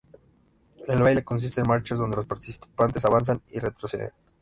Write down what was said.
El baile consiste en marchas donde los participantes avanzan y retroceden.